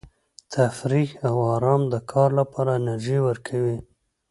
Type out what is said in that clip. تفریح او ارام د کار لپاره انرژي ورکوي.